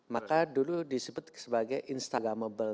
maka dulu disebut sebagai instagramable